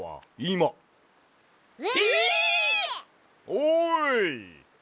おい！